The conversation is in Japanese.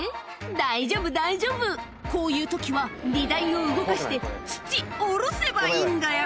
「大丈夫大丈夫こういう時は荷台を動かして土降ろせばいいんだよ